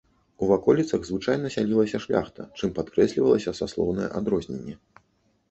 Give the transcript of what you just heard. У ваколіцах звычайна сялілася шляхта, чым падкрэслівалася саслоўнае адрозненне.